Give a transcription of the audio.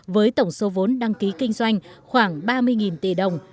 với tổng số vốn đăng ký kinh doanh khoảng ba mươi tỷ đồng